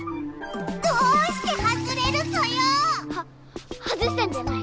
どうして外れるソヨ！は外したんじゃない。